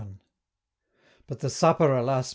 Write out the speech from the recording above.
But the supper, alas!